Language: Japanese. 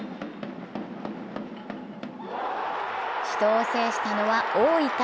死闘を制したのは大分。